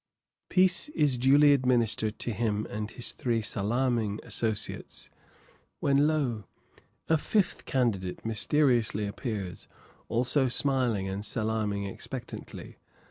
Pice is duly administered to him and his three salaaming associates, when, lo! a fifth candidate mysteriously appears, also smiling and salaaming expectantly.